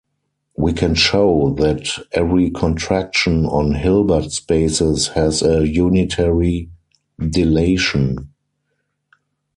We can show that every contraction on Hilbert spaces has a unitary dilation.